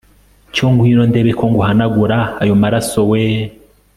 cyo ngwino ndebe ko nguhanagura ayo maraso weee